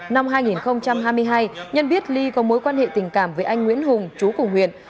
năm hai nghìn hai mươi hai nhân biết ly có mối quan hệ tình cảm với anh nguyễn hùng chú cùng huyện